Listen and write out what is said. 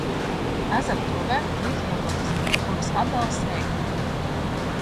Ezera dobē trīs ieplakas, kuras atdala sēkļi.